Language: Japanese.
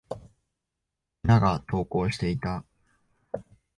皆が登校していた。